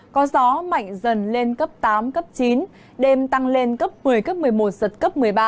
có gió mạnh dần lên cấp tám cấp chín đêm tăng lên cấp một mươi cấp một mươi một giật cấp một mươi ba